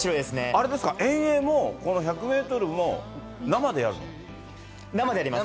あれですか、遠泳もこの１００メートルも生でやるの？